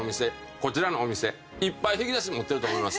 こちらのお店いっぱい引き出し持ってると思います。